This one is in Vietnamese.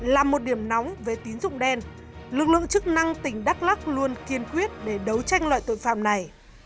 là một điểm nóng về tín dụng đen lực lượng chức năng tỉnh đắk lắc luôn kiên quyết để đấu tranh loại tội phạm này